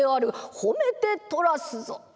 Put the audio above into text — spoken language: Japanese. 褒めてとらすぞ」。